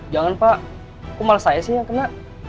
jangan pak kok malah saya sih yang kena